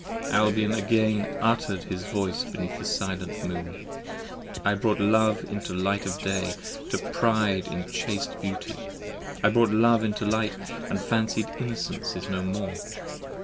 Albion again utter'd his voice beneath the silent Moon. I brought Love into light of day to pride in chaste beauty, I brought Love into light & fancied Innocence is no more.